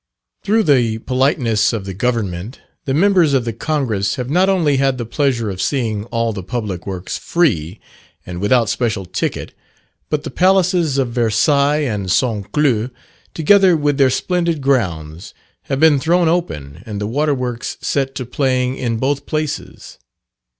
Through the politeness of the government the members of the Congress have not only had the pleasure of seeing all the public works free, and without special ticket, but the palaces of Versailles and St. Cloud, together with their splendid grounds, have been thrown open, and the water works set to playing in both places.